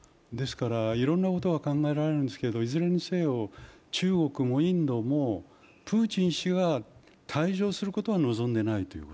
いろんなことが考えられるんですけれども、いずれにせよ中国もインドも、プーチン氏が退場することは望んでないという